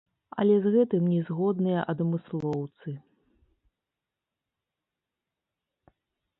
Але з гэтым не згодныя адмыслоўцы.